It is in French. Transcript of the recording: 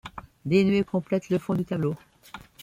Des nuées complètent le fond du tableau.